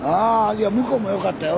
いや向こうもよかったよ。